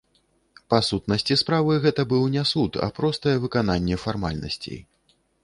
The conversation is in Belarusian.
Па сутнасці справы, гэта быў не суд, а простае выкананне фармальнасцей.